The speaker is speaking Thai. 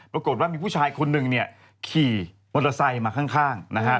ปรากฏว่ามีผู้ชายคนหนึ่งขี่มอเตอร์ไซค์มาข้าง